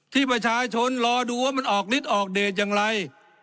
ที่ประชาชนรอดูว่ามันออกฤทธิ์ออกเดทอย่างไร